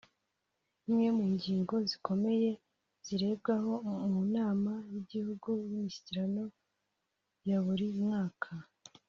Imwe mu ngingo zikomeye zirebwaho mu Nama y’Igihugu y’Umushyikirano ya buri mwaka